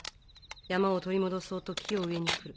山を取り戻そうと木を植えに来る。